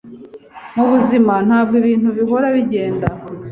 Mu buzima ntabwo ibintu bihora bigenda